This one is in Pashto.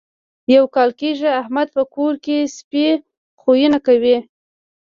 یو کال کېږي احمد په کور کې سپي خویونه کوي.